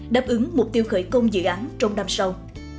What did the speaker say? đáp ứng mục tiêu khởi công dự án trong năm sau